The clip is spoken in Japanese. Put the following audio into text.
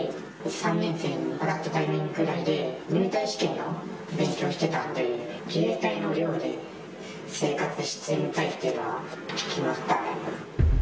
３年生に上がったタイミングぐらいで、入隊試験の勉強をしてたんで、自衛隊の寮で、生活してみたいっていうのは聞きました。